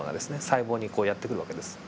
細胞にやって来る訳です。